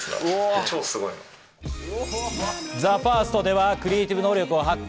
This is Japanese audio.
ＴＨＥＦＩＲＳＴではクリエイティブ能力は発揮。